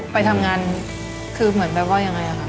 ไปทำงานคือเหมือนแบบว่ายังไงอะค่ะ